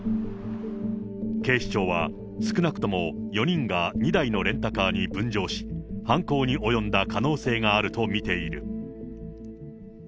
警視庁は、少なくとも４人が２台のレンタカーに分乗し、犯行に及んだ可能性があると見ている。